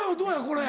これ。